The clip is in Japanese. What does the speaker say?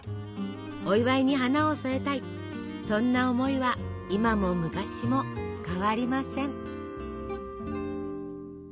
お祝いに花を添えたいそんな思いは今も昔も変わりません。